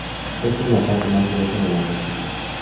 Esta es la parte más gruesa de la retina.